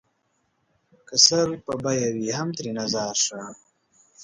که سر په بيه وي هم ترېنه ځار شــــــــــــــــــه